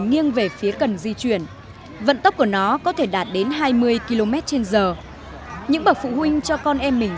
nghiêng về phần xe người sử dụng phải để trọng lượng của mình